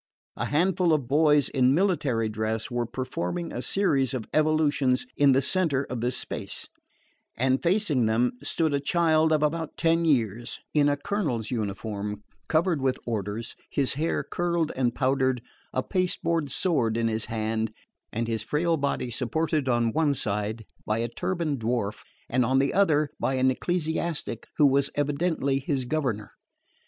A handful of boys in military dress were performing a series of evolutions in the centre of this space; and facing them stood a child of about ten years, in a Colonel's uniform covered with orders, his hair curled and powdered, a paste board sword in his hand, and his frail body supported on one side by a turbaned dwarf, and on the other by an ecclesiastic who was evidently his governor.